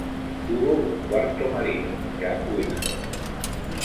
Tuvo un cuarto marido, Jack Wilson.